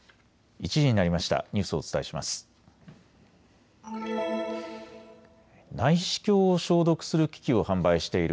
１時になりました。